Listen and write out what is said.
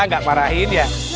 gak marahin ya